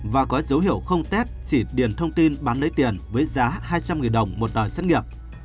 và có dấu hiệu không test xỉ điền thông tin bán lấy tiền với giá hai trăm linh đồng một tờ xét nghiệm